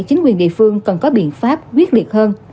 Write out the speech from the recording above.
chính quyền địa phương cần có biện pháp quyết liệt hơn